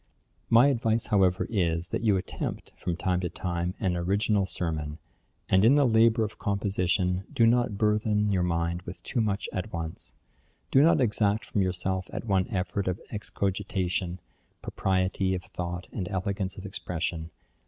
'My advice, however, is, that you attempt, from time to time, an original sermon; and in the labour of composition, do not burthen your mind with too much at once; do not exact from yourself at one effort of excogitation, propriety of thought and elegance of expression.